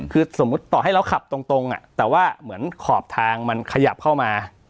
คือสมมุติต่อให้เราขับตรงแต่ว่าเหมือนขอบทางมันขยับเข้ามา